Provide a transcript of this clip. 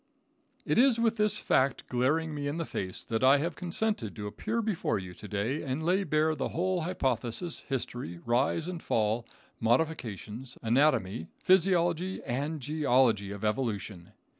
It is with this fact glaring me in the face that I have consented to appear before you to day and lay bare the whole hypothesis, history, rise and fall, modifications, anatomy, physiology and geology of evolution.